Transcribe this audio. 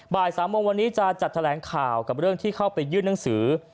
บ่าย๓โมงวันนี้จะจัดแถลงข่าวกับเรื่องที่เข้าไปยื่นหนังสือ